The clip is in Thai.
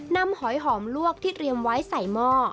หอยหอมลวกที่เตรียมไว้ใส่หม้อ